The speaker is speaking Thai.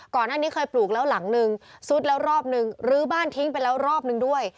ก่อนหน้านี้เคยปลูกแล้วหลังนึงซุดแล้วรอบนึงลื้อบ้านทิ้งไปแล้วรอบนึงด้วย